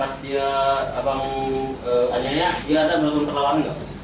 pas dia abang anjaya dia ada melakukan perlawanan gak